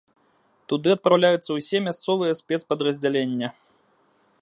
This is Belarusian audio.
Туды адпраўляюцца ўсе мясцовыя спецпадраздзялення.